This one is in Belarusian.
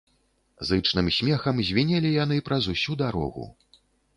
Зычным смехам звінелі яны праз усю дарогу.